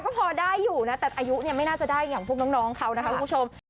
ก็พอได้อยู่นะแต่อายุเนี่ยไม่น่าจะได้อย่างพวกน้องเขานะคะคุณผู้ชม